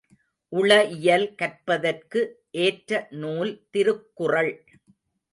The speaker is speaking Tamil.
உளஇயல் கற்பதற்கு ஏற்ற நூல் திருக்குறள்.